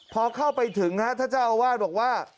พอเข้าไปถึงท่านเจ้าอาวาสบอกว่า